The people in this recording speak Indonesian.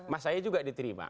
mas saya juga diterima